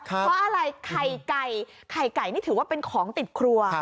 เพราะอะไรไข่ไก่ไข่ไก่นี่ถือว่าเป็นของติดครัว